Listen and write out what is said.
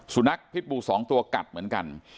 สุนัขพิษบูทั้งสองตัวกัดเหมือนกัน